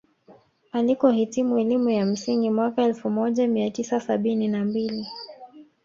Alikohitimu elimu ya msingi mwaka elfu moja mia tisa sabini na mbili